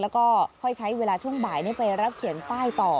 แล้วก็ค่อยใช้เวลาช่วงบ่ายไปรับเขียนป้ายต่อ